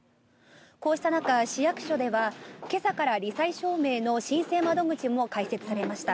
こうした中、市役所では今朝からり災証明書の申請窓口も開設されました。